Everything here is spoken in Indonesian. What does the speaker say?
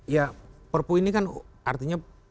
ya perpu ini kan artinya